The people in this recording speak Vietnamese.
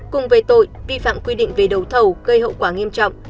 cùng về tội vi phạm quy định về đầu thầu gây hậu quả nghiêm trọng